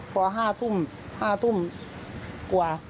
พอ๑๕ทุ่มก่อน